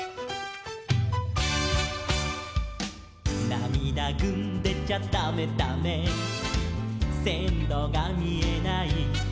「なみだぐんでちゃだめだめ」「せんろがみえない」